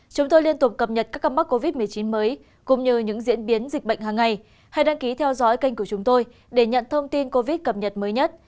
các bạn hãy đăng ký kênh của chúng tôi để nhận thông tin cập nhật mới nhất